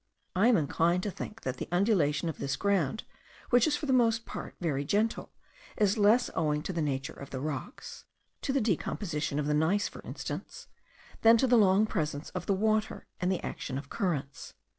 I am inclined to think that the undulation of this ground, which is for the most part very gentle, is less owing to the nature of the rocks, (to the decomposition of the gneiss for instance), than to the long presence of the water and the action of currents.